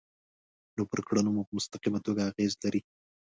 نو پر کړنو مو په مستقیمه توګه اغیز لري.